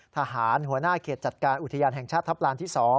หัวหน้าเขตจัดการอุทยานแห่งชาติทัพลานที่๒